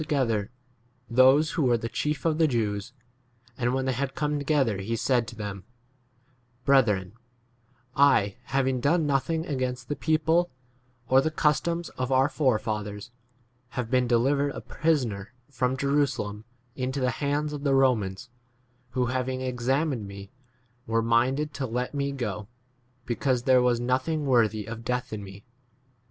together those who were the chief of the Jews ; and when they had come together he said to them, Brethren,* I having done nothing against the people or the customs of our forefathers have been de livered a prisoner from Jerusalem 18 into the hands of the Romans, who having examined me were minded to let me go, because there was nothing worthy of death in me.